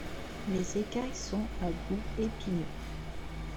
Les écailles sont à bout épineux.